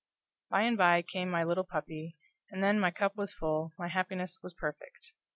By and by came my little puppy, and then my cup was full, my happiness was perfect.